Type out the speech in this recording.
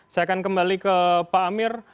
saya akan kembali ke pak amir